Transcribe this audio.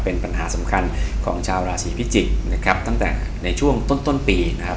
เป็นปัญหาสำคัญของชาวราศีพิจิกษ์นะครับตั้งแต่ในช่วงต้นต้นปีนะครับ